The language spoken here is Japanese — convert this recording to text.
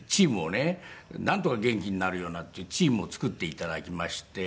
なんとか元気になるようなっていうチームを作って頂きまして。